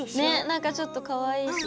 なんかちょっとかわいいし。